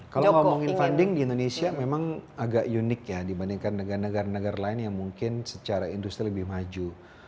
kalau ngomongin funding di indonesia memang agak unik ya dibandingkan dengan negara negara lain yang mungkin secara industri lebih maju